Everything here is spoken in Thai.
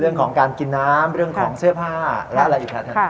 เรื่องของการกินน้ำเรื่องของเสื้อผ้าและอะไรอยู่ครับท่าน